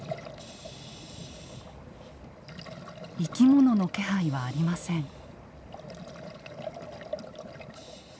生き物の気配はありません。